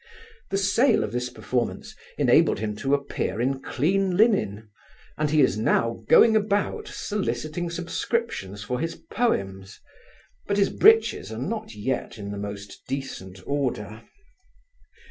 The sale of this performance enabled him to appear in clean linen, and he is now going about soliciting subscriptions for his Poems; but his breeches are not yet in the most decent order.